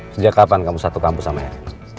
sejak kapan kamu satu kampus sama ya